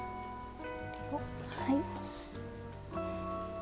はい。